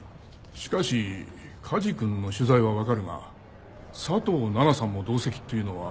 しかし梶君の取材は分かるが佐藤奈々さんも同席というのはどういう。